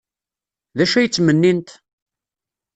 D acu ay ttmennint?